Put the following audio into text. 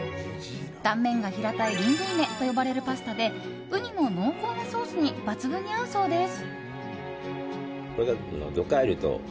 断面が平たいリングイネと呼ばれるパスタでウニの濃厚なソースに抜群に合うそうです。